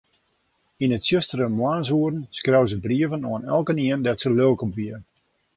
Yn 'e tsjustere moarnsoeren skreau se brieven oan elkenien dêr't se lilk op wie.